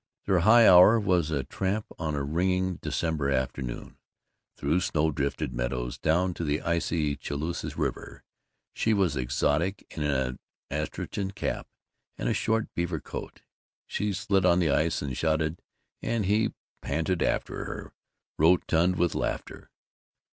Their high hour was a tramp on a ringing December afternoon, through snow drifted meadows down to the icy Chaloosa River. She was exotic in an astrachan cap and a short beaver coat; she slid on the ice and shouted, and he panted after her, rotund with laughter....